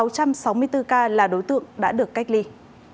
sáu trăm sáu mươi bốn ca là đối tượng đã được cách ly